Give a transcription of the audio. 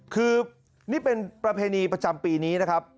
คือนี่เป็นประเพณีประจำปีนี้นะครับ